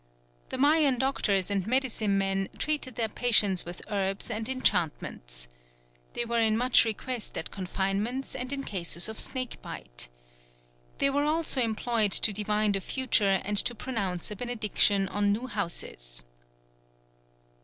The Mayan doctors and medicine men treated their patients with herbs and enchantments. They were in much request at confinements and in cases of snake bite. They were also employed to divine the future and to pronounce a benediction on new houses.